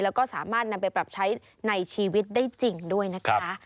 แล้วก็สามารถนำไปปรับใช้ในชีวิตได้จริงด้วยนะคะ